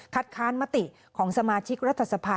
ค้านมติของสมาชิกรัฐสภา